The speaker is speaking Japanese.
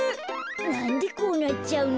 なんでこうなっちゃうの？